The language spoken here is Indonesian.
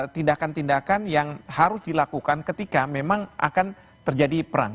tindakan tindakan yang harus dilakukan ketika memang akan terjadi perang